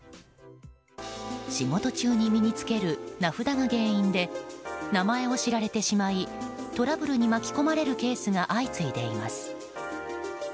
仕事中に身に付ける名札が原因で名前を知られてしまいトラブルに巻き込まれるケースが相次いでいます。